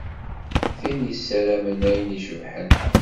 Tin yessaramen ayen icebḥen.